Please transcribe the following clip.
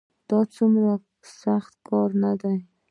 دا دومره سخت کار نه دی